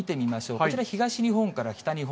こちら東日本から北日本。